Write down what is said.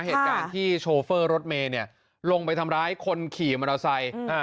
เหตุการณ์ที่โชเฟอร์รถเมย์เนี่ยลงไปทำร้ายคนขี่มอเตอร์ไซค์